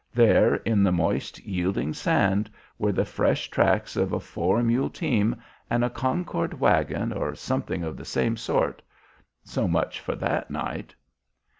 There, in the moist, yielding sand, were the fresh tracks of a four mule team and a Concord wagon or something of the same sort. So much for that night!